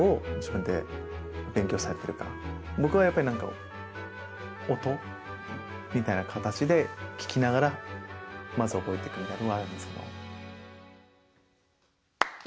僕はやっぱり、音みたいな形で聞きながらまず覚えていくみたいなのがあるんですけど。